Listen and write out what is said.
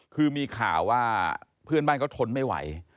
คือมีข่าวว่าเพื่อนบ้านเขาทนไม่ไหว